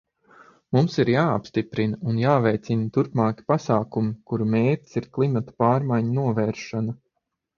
Mums ir jāpastiprina un jāveicina turpmāki pasākumi, kuru mērķis ir klimata pārmaiņu novēršana.